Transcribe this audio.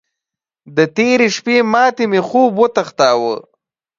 د تېرې شپې ماتې مې خوب وتښتاوو.